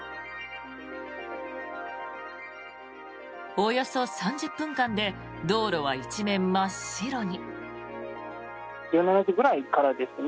およそ３０分間で道路は一面真っ白に。